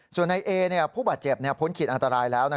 ส่วนในเอผู้บาดเจ็บพ้นขีดอันตรายแล้ว